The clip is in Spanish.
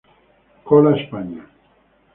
Cola España"".